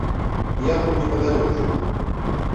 Я тут непадалёк жыву.